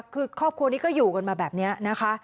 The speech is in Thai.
คือครอบครัวนี้ก็อยู่กันมาแบบนี้นะคะ